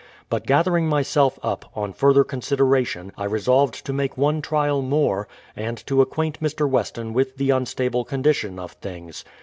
But gathering myself up, on further consideration I resolved to make one trial more, and to acquaint Mr. Weston with the unstable condition of things.